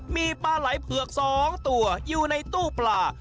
มีปลาไหล่เผือก๒ตัวอยู่ในตู้ปลา